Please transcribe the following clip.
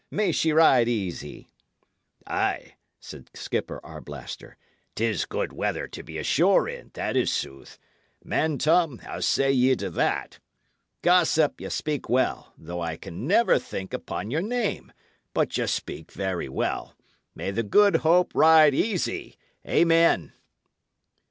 May she ride easy!" "Ay," said Skipper Arblaster, "'tis good weather to be ashore in, that is sooth. Man Tom, how say ye to that? Gossip, ye speak well, though I can never think upon your name; but ye speak very well. May the Good Hope ride easy! Amen!"